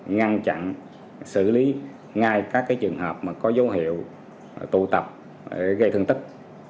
ngăn chặn xử lý ngay các trường hợp có dấu hiệu tụ tập gây thương tích